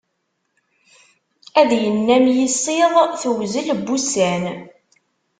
Ad yennam yissiḍ tewzel n wussan.